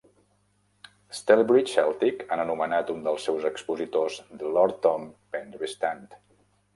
Stalybridge Celtic han anomenat un dels seus expositors "The Lord Tom Pendry Stand".